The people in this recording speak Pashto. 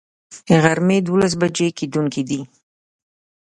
د غرمي دولس بجي کیدونکی دی